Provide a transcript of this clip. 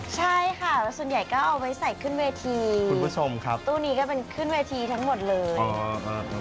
ใช่ค่ะแล้วส่วนใหญ่ก็เอาไว้ใส่ขึ้นเวทีคุณผู้ชมครับตู้นี้ก็เป็นขึ้นเวทีทั้งหมดเลย